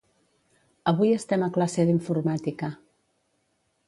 Avui estem a classe d'informàtica.